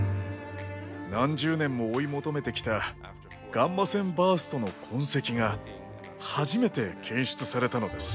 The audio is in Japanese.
何十年も追い求めてきたガンマ線バーストの痕跡が初めて検出されたのです。